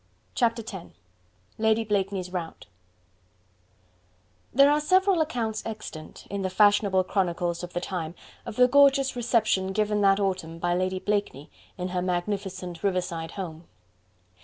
Chapter X: Lady Blakeney's Rout There are several accounts extant, in the fashionable chronicles of the time, of the gorgeous reception given that autumn by Lady Blakeney in her magnificent riverside home.